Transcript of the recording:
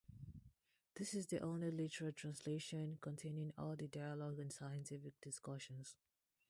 This is the only literal translation containing all the dialogue and scientific discussions.